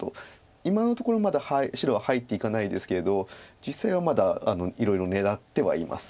今のところまだ白は入っていかないですけれど実際はまだいろいろ狙ってはいます。